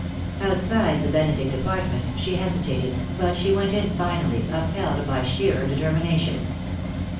Outside the Benedict Apartments she hesitated, but she went in finally, upheld by sheer determination.